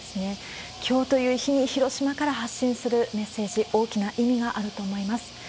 きょうという日に広島から発信するメッセージ、大きな意味があると思います。